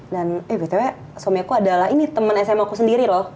dan eh btw suami aku adalah ini temen sma ku sendiri loh